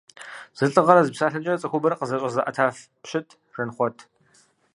Зи лӏыгъэрэ зи псалъэкӏэ цӏыхубэр къызэщӏэзыӏэтэф пщыт Жэнхъуэт.